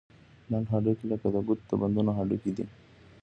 لنډ هډوکي لکه د ګوتو د بندونو هډوکي دي.